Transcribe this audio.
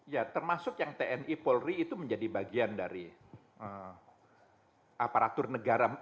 ya termasuk yang tni polri itu menjadi bagian dari aparatur negara